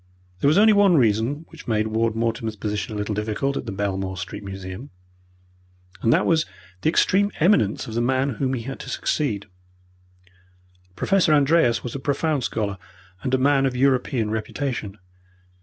There was only one reason which made Ward Mortimer's position a little difficult at the Belmore Street Museum, and that was the extreme eminence of the man whom he had to succeed. Professor Andreas was a profound scholar and a man of European reputation.